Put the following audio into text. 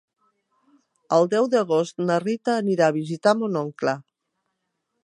El deu d'agost na Rita anirà a visitar mon oncle.